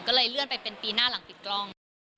ก็เลยเลื่อนไปเป็นปีหน้าหลังปิดกล้อง